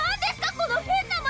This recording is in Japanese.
この変な街！